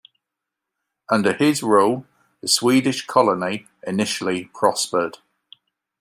Under his rule the Swedish colony initially prospered.